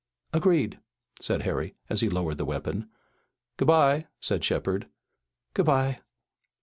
"Agreed," said Harry, as he lowered the weapon. "Good bye," said Shepard. "Good bye."